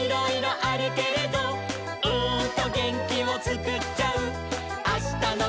「あしたのげんきをつくっちゃう」